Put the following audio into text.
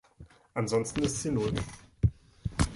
Ansonsten ist sie Null.